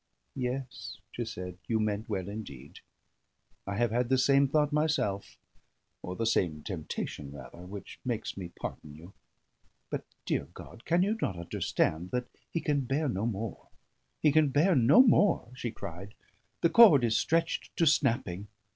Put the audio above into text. "Yes," she said, "you meant well indeed. I have had the same thought myself, or the same temptation rather, which makes me pardon you. But, dear God, can you not understand that he can bear no more? He can bear no more!" she cried. "The cord is stretched to snapping.